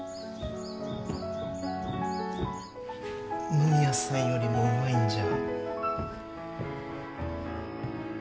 野宮さんよりもうまいんじゃ。